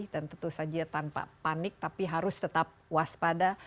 dan tentu saja tanpa panik tapi harus tetap waspada